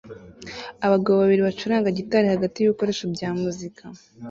Abagabo babiri bacuranga gitari hagati y'ibikoresho bya muzika